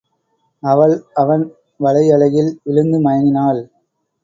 அவள் அவன் வலை அழகில் விழுந்து மயங்கினாள்.